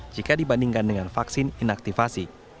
jika dibandingkan dengan vaksin inaktivasi